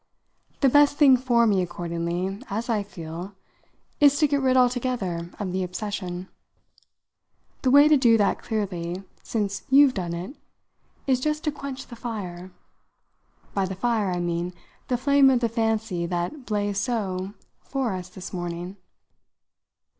The best thing for me, accordingly, as I feel, is to get rid altogether of the obsession. The way to do that, clearly, since you've done it, is just to quench the fire. By the fire I mean the flame of the fancy that blazed so for us this morning.